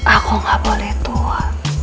aku gak boleh tua